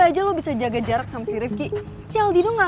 entah lu apa apa juga